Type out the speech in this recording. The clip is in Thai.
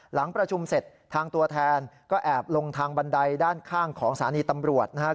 หลังประชุมเสร็จทางตัวแทนก็แอบลงทางบันไดด้านข้างของสถานีตำรวจนะครับ